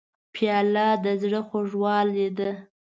پیاله د زړه خوږلۍ ده.